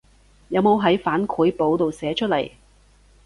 有冇喺反饋簿度寫出來